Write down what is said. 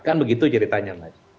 kan begitu ceritanya mas